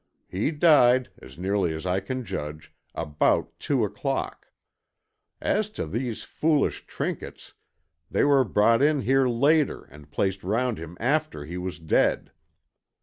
He died, as nearly as I can judge, about two o'clock. As to these foolish trinkets, they were brought in here later and placed round him after he was dead.